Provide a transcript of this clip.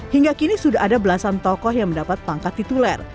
hingga kini sudah ada belasan tokoh yang mendapat pangkat tituler